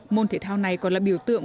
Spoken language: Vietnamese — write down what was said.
môn thể thao này còn là biểu tượng